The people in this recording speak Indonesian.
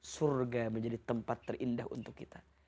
surga menjadi tempat terindah untuk kita